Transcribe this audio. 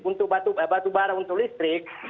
untuk batubara untuk listrik